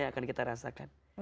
yang akan kita rasakan